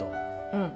うん。